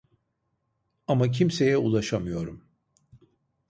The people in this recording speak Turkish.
Ama kimseye ulaşamıyorum